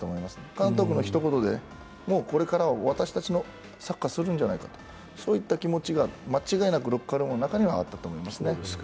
監督の一言で、もうこれからは私たちのサッカーをするんじゃないかと、そういった気持ちが、間違いなくロッカールームの中にはあったと思いますね。